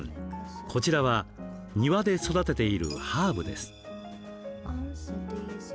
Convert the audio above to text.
こちらは庭で育てているハーブです。